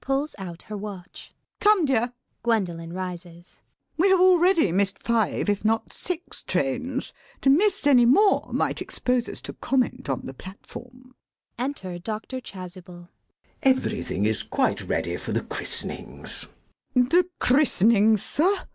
[Pulls out her watch.] Come, dear, [Gwendolen rises] we have already missed five, if not six, trains. To miss any more might expose us to comment on the platform. [Enter Dr. Chasuble.] CHASUBLE. Everything is quite ready for the christenings. LADY BRACKNELL. The christenings, sir!